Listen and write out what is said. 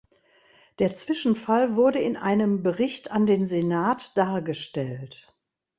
Der Zwischenfall wurde in einem Bericht an den Senat dargestellt.